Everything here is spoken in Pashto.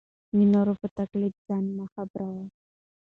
د نورو په تقلید ځان مه خرابوئ.